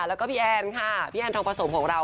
และก็พี่แอนค่ะพี่แอนทรงประสบของเรา